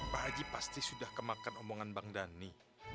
pak haji pasti sudah kemakan omongan bang dhani